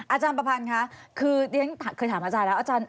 อาจารย์ประพันธ์ค่ะคือเรียนเคยถามอาจารย์แล้ว